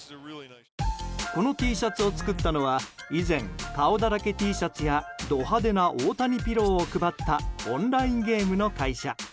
このＴシャツを作ったのは以前、顔だらけＴシャツやド派手な大谷ピローを配ったオンラインゲームの会社。